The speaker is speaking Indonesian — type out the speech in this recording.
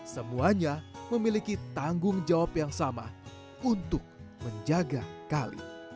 semuanya memiliki tanggung jawab yang sama untuk menjaga kali